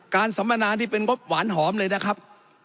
สัมมนานี่เป็นงบหวานหอมเลยนะครับ